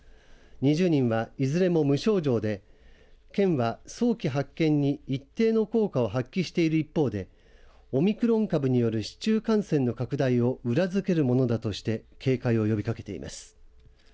２０人は、いずれも無症状で県は、早期発見に一定の効果を発揮している一方でオミクロン株による市中感染の拡大を裏づけるものだとして警戒を呼びかけています。